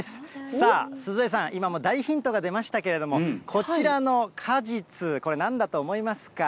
さあ、鈴江さん、今も大ヒントが出ましたけれども、こちらの果実、これ、なんだと思いますか？